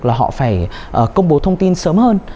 là họ phải công bố thông tin sớm hơn